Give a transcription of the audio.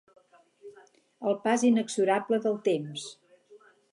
El pas inexorable del temps.